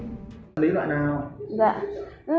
lý loại nào